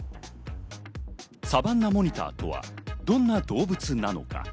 サバンナモニターとはどんな動物なのか。